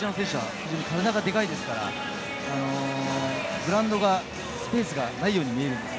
非常に体がでかいですからグラウンドにスペースがないように見えるんです。